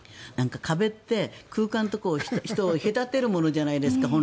壁って空間と人を本来隔てるものじゃないですか。